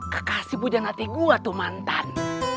kekasih pujaan hati gua tuh mantan